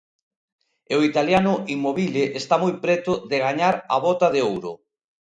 E o italiano Inmobile está moi preto de gañar a Bota de Ouro.